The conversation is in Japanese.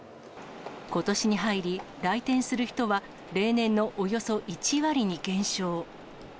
ことしに入り、来店する人は例年のおよそ１割に減少。